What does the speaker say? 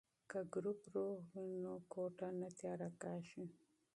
که ګروپ روغ وي نو کوټه نه تیاره کیږي.